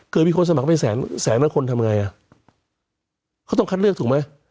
มีคนสมัครไปแสนแสนเป็นคนทำไงอ่ะเขาต้องคัดเลือกถูกไหม